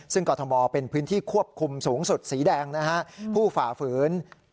ซึ่งกรทมเป็นพื้นที่ควบคุมสูงสุดสีแดงนะฮะผู้ฝ่าฝืน